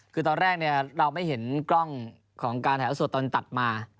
คือตอนแรกเราไม่เห็นกล้องของการถ่ายละสดตอนตัดมา